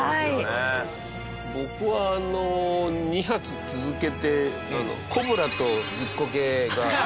僕は２発続けてコブラとズッコケが。